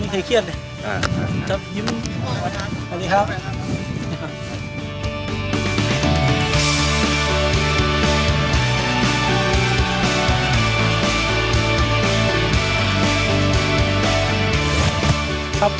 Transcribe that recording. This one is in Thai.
ใช่เลยนะครับ